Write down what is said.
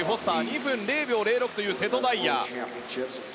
２分０秒０６という瀬戸大也。